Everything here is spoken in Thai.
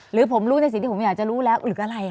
หรือผมรู้ในสิ่งที่ผมอยากจะรู้แล้วหรืออะไร